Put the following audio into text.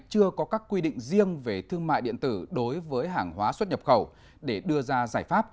chưa có các quy định riêng về thương mại điện tử đối với hàng hóa xuất nhập khẩu để đưa ra giải pháp